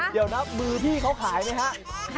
เดี๋ยวนะมือพี่เขาขายไหมครับ